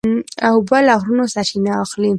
اوبه له غرونو سرچینه اخلي.